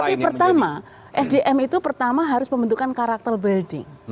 tapi pertama sdm itu pertama harus membentukkan karakter building